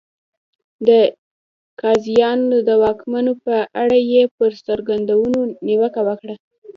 د قاضیانو د واکونو په اړه یې پر څرګندونو نیوکه وکړه.